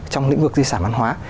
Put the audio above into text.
trong lĩnh vực di sản văn hóa